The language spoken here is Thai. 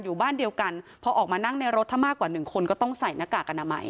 อยู่บ้านเดียวกันพอออกมานั่งในรถถ้ามากกว่าหนึ่งคนก็ต้องใส่หน้ากากอนามัย